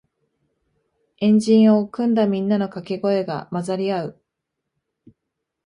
円陣を組んだみんなのかけ声が混ざり合う